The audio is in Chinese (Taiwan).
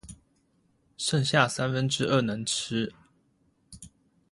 剩下三分之二能吃